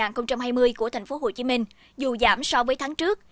năm hai nghìn hai mươi của tp hcm dù giảm so với tháng trước